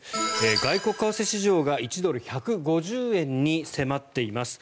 外国為替市場が１ドル＝１５０円に迫っています。